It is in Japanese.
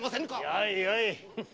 よいよい。